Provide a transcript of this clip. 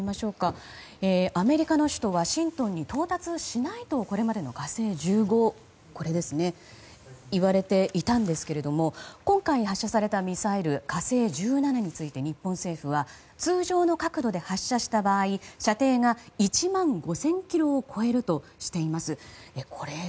アメリカの首都ワシントンには到達しないとこれまでの「火星１５」は言われていたんですけど今回発射されたミサイル「火星１７」について日本政府は通常の角度で発射した場合射程が１万５０００ｋｍを超えるとしています。